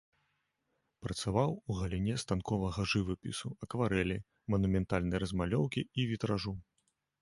Працаваў ў галіне станковага жывапісу, акварэлі, манументальнай размалёўкі і вітражу.